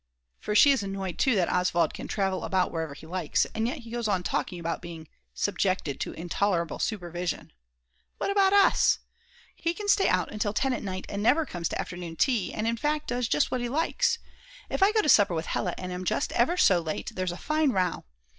For she is annoyed too that Oswald can travel about wherever he likes. And yet he goes on talking about being "subjected to intolerable supervision"!! What about us? He can stay out until 10 at night and never comes to afternoon tea, and in fact does just what he likes. If I go to supper with Hella and am just ever so little late, there's a fine row.